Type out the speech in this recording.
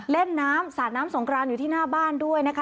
เล่นน้ำสาดน้ำสงครานอยู่ที่หน้าบ้านด้วยนะคะ